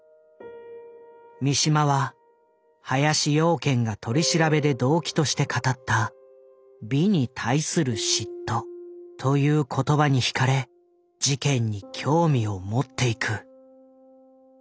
三島は林養賢が取り調べで動機として語った「美に対する嫉妬」という言葉にひかれ事件に興味を持っていく。